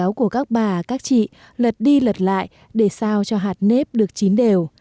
cốm của các bà các chị lật đi lật lại để sao cho hạt nếp được chín đều